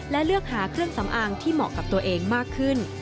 และเลือกหาเครื่องสำอางที่เหมาะกับตัวเองมากขึ้น